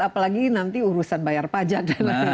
apalagi nanti urusan bayar pajak